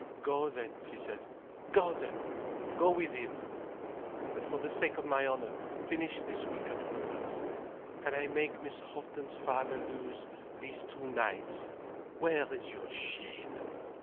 "Go then—" she said. "Go then! Go with him! But for the sake of my honour, finish this week at Woodhouse. Can I make Miss Houghton's father lose these two nights? Where is your shame?